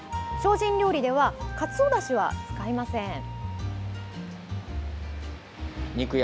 精進料理ではかつおだしは使いません。